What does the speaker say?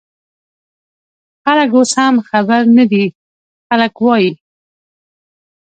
خلک اوس هم خبر نه دي، خلک وايي